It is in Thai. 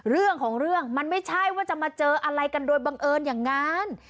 เรื่องของเรื่องมันไม่ใช่ว่าจะมาเจออะไรกันโดยบังเอิญอย่างนั้น